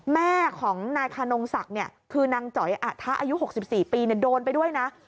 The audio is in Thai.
แม่ของนายขนงศักดิ์คือนางจ๋อยอะทะอายุ๖๔ปีโดนไปด้วยนะ